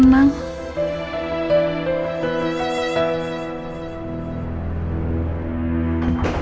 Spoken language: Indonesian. perasaan gue jadi gak tenang